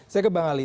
saya ke bang ali